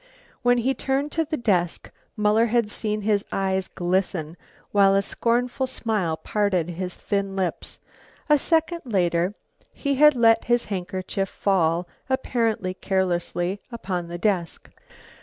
When he turned to the desk, Muller had seen his eyes glisten while a scornful smile parted his thin lips. A second later he had let his handkerchief fall, apparently carelessly, upon the desk.